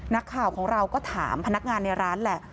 นักข่าวของเราก็ถามพนักงานในร้านแหละ